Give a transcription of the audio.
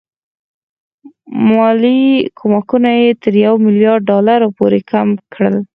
مالي کومکونه یې تر یو میلیارډ ډالرو پورې کم کړل.